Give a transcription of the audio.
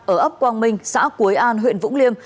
ở ấp quang minh xã quế an huyện vũng liêm